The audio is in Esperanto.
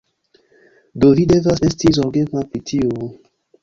Do vi devas esti zorgema pri tiu...